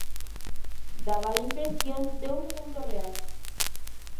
Daba la impresión de un mundo real.